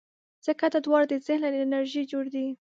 ځکه دا دواړه د ذهن له انرژۍ جوړ دي.